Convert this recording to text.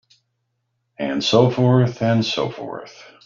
And so forth and so forth.